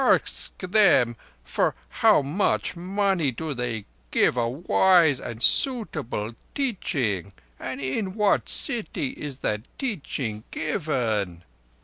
"Ask them for how much money do they give a wise and suitable teaching? And in what city is that teaching given?"